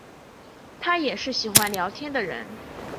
她也是喜欢聊天的人